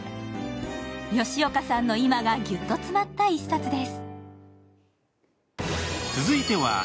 吉岡さんの今がギュッと詰まった一冊です。